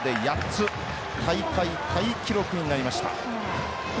大会タイ記録になりました。